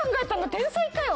天才かよ！